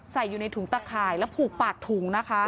ใส่อยู่ในถุงตะข่ายแล้วผูกปากถุงนะคะ